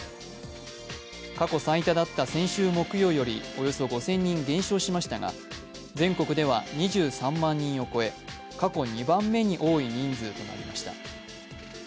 過去最多だった先週木曜よりおよそ５０００人減少しましたが、全国では２３万人を超え過去２番目に多い人数となりました